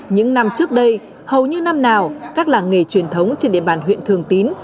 những năm trước đây hầu như năm nào các làng nghề truyền thống trên địa bàn huyện thường tín